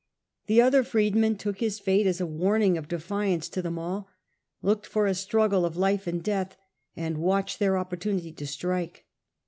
The other freedmen took his fate as a warning of defiance to them all, looked for a stniggle of life and death, and watched their oppor tunity to strike.